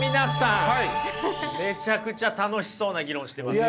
めちゃくちゃ楽しそうな議論してますね。